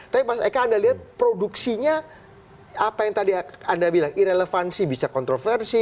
tapi mas eka anda lihat produksinya apa yang tadi anda bilang irelevansi bisa kontroversi